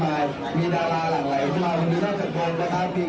วันนี้จะมีเจ้าหน้าที่สหายเจ้าหน้าที่กังวลมีความรู้สึกต่างมามากมาย